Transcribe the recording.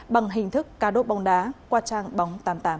bằng hình thức cà đốt bóng đá qua trang bóng tám mươi tám